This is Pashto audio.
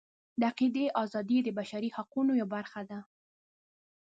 د عقیدې ازادي د بشري حقونو یوه برخه ده.